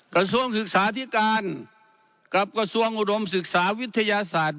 กระทรวงศึกษาธิการกับกระทรวงอุดมศึกษาวิทยาศาสตร์